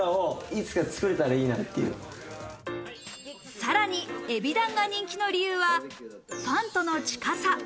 さらにＥＢｉＤＡＮが人気の理由はファンとの近さ。